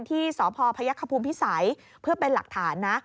ที่สพพภภิษัยเพื่อเป็นหลักฐานนะ